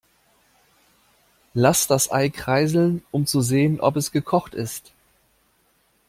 Lass das Ei kreiseln, um zu sehen, ob es gekocht ist.